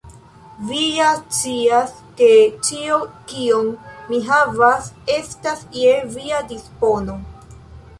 Vi ja scias, ke ĉio, kion mi havas, estas je via dispono.